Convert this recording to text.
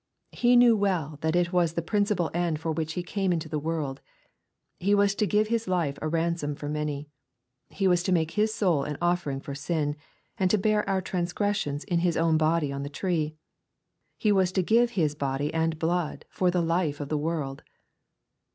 He knew well that it was the principal end for which He came into the world. He was to give His life a ransom for many. He was to make His soul an offering for sin, and to bear our transgressions in His own body on the tree. He was to give His body and blood for the life of the world.